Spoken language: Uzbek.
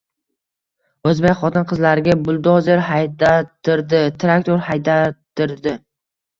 O’zbek xotin-qizlariga... buldozer haydattirdi, traktor haydattirdi!»